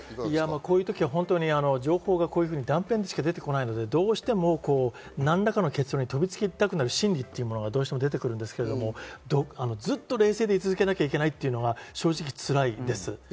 情報が断片しか出てこないので、どうしても何らかの結論に飛びつきたくなる心理というものがどうしても出てくるんですけど、ずっと冷静で居続けなきゃいけないというのは正直辛いです。